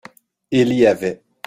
Il y avait.